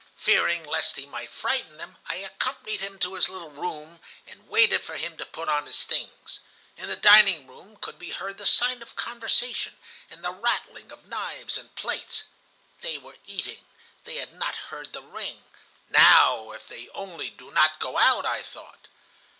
Fearing lest he might frighten them, I accompanied him to his little room, and waited for him to put on his things. In the dining room could be heard the sound of conversation and the rattling of knives and plates. They were eating. They had not heard the ring. 'Now if they only do not go out,' I thought.